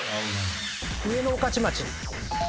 上野御徒町。